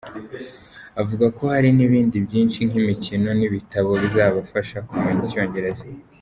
Avuga ko hari n’ibindi byinshi nk’imikino n’ibitabo bizabafasha kumenya icyongereza.